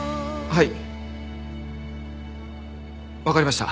はい！